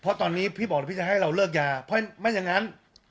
เพราะตอนนี้พี่บอกแล้วพี่จะให้เราเลิกยาเพราะไม่อย่างนั้น